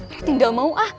rati gak mau ah